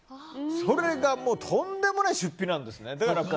それがもうとんでもない出費なんですね。